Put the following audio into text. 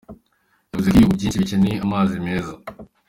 Yavuze ko ibihugu byinshi bikeneye mazi meza.